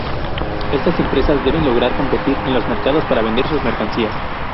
Estas empresas, deben lograr, competir en los mercados para vender sus mercancías.